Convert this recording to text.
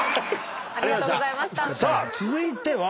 さあ続いては。